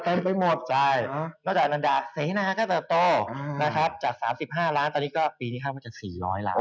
แต่อันนิลวัฒนธรรมศาสตร์เหมาะตัวแค่ของบนที่๖